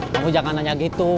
kamu jangan nanya gitu